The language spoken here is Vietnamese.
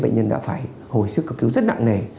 bệnh nhân đã phải hồi sức cấp cứu rất nặng nề